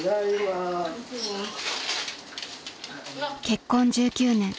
［結婚１９年。